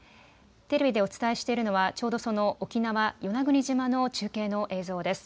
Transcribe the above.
テレビでお伝えしているのはちょうどその沖縄、与那国島の中継の映像です。